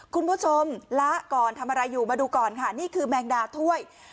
คุณผู้ชมละก่อนทำอะไรอยู่มาดูก่อนค่ะนี่คือแมงดาถ้วย